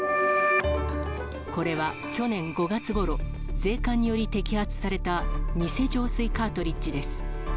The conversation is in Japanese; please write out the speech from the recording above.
これは、去年５月ごろ、税関により摘発された偽浄水カートリッジです。